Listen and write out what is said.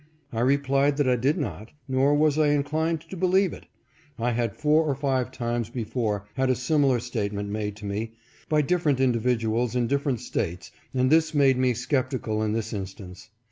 I replied that I did not, nor was I inclined to believe it. I had four or five times before had a similar statement made to me by different individuals in different States and this made me skeptical in this instance.